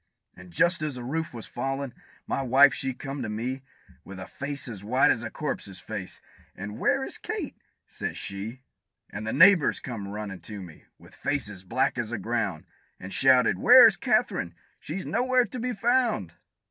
And just as the roof was fallin', my wife she come to me, With a face as white as a corpse's face, and "Where is Kate?" says she. And the neighbors come runnin' to me, with faces black as the ground, And shouted, "Where is Katherine? She's nowhere to be found!"